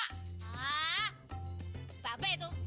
ah bape itu